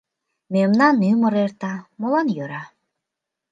Мемнан ӱмыр эрта, молан йӧра?..